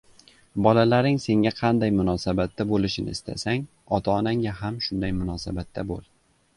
Bolalaring senga qanday munosabatda bo‘lishini istasang, ota-onangga ham shunday munosabatda bo‘l.